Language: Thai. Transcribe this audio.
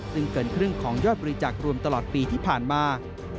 ซึ่งเกินครึ่งของยอดบริจาครวมตลอดปีที่ผ่านมา